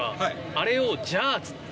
あれを「ジャー」っつって。